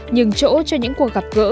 nhưng chỗ cho những cuộc gặp gỡ